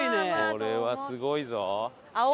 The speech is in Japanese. これはすごいぞ。